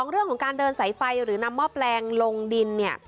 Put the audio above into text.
เรื่องของการเดินสายไฟหรือนำหม้อแปลงลงดินเนี่ย